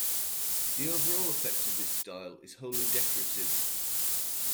The overall effect of his style is wholly decorative.